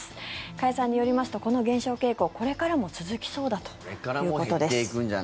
加谷さんによりますとこの減少傾向これからも続きそうだということです。